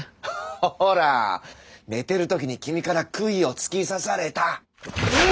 ほら寝てるときに君から杭を突き刺された。